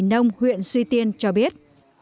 thủy nông huyện suy tiên cho biết